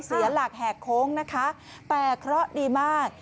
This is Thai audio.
เสียหลักแหกโค้งนะคะแต่เคราะห์ดีมาก